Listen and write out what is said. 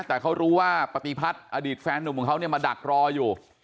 แต่เขารู้ว่าปฏิพัฒน์อดีตแฟนหนุ่มของเขาเนี่ยมาดักรออยู่